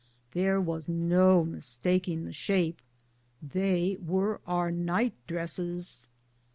There was no mistaking the shape; they were our night dresses.